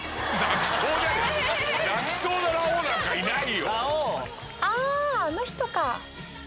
泣きそうなラオウなんかいないよ！